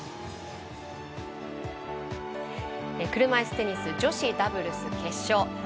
車いすテニス女子ダブルス決勝。